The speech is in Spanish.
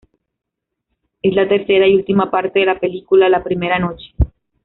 Es la tercera y última parte de la película ""La primera noche"".